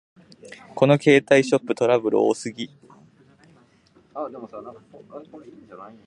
この携帯ショップ、トラブル多すぎ